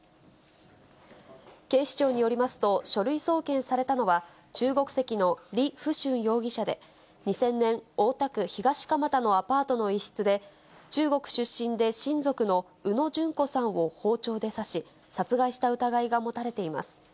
警視庁によりますと、書類送検されたのは、中国籍の李富春容疑者で、２０００年、大田区東蒲田のアパートの一室で、中国出身で親族の宇野純子さんを包丁で刺し、殺害した疑いが持たれています。